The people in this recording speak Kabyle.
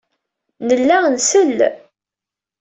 Nella nsell.